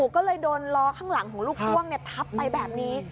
ก็เลยโดนล้อข้างหลังของลูกพ่วงทับไปแบบนี้